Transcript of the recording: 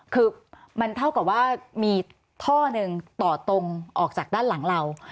คือมันเท่ากับว่ามีท่อหนึ่งต่อตรงออกจากด้านหลังเรา